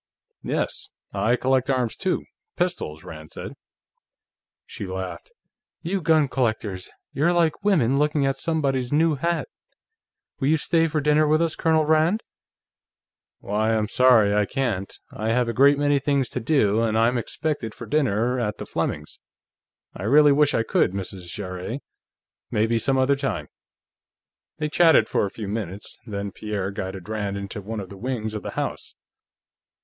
"Yes; I collect arms too. Pistols," Rand said. She laughed. "You gun collectors; you're like women looking at somebody's new hat.... Will you stay for dinner with us, Colonel Rand?" "Why, I'm sorry; I can't. I have a great many things to do, and I'm expected for dinner at the Flemings'. I really wish I could, Mrs. Jarrett. Maybe some other time." They chatted for a few minutes, then Pierre guided Rand into one of the wings of the house.